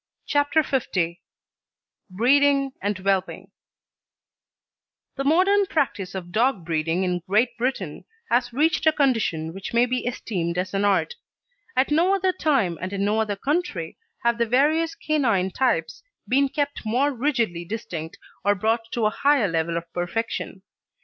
CHAPTER L BREEDING AND WHELPING The modern practice of dog breeding in Great Britain has reached a condition which may be esteemed as an art. At no other time, and in no other country, have the various canine types been kept more rigidly distinct or brought to a higher level of perfection.